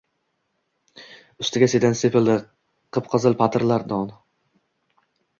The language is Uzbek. Ustiga sedana sepilgan, qip-qizil patir non.